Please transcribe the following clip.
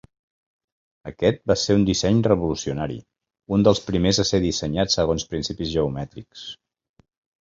Aquest va ser un disseny revolucionari, un dels primers a ser dissenyat segons principis geomètrics.